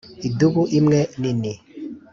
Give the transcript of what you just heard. idubu imwe nini,